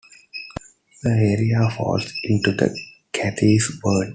The area falls into the Cathays ward.